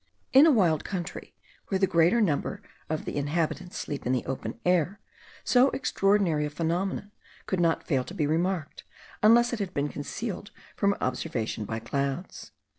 In a wild country, where the greater number of the inhabitants sleep in the open air, so extraordinary a phenomenon could not fail to be remarked, unless it had been concealed from observation by clouds.